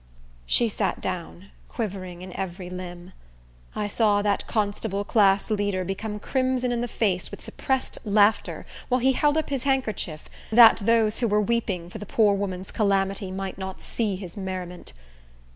She sat down, quivering in every limb. I saw that constable class leader become crimson in the face with suppressed laughter, while he held up his handkerchief, that those who were weeping for the poor woman's calamity might not see his merriment.